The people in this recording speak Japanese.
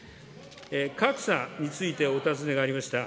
格差についてお尋ねがありました。